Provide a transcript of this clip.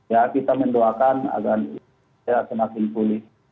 ya kita mendoakan agar semakin pulih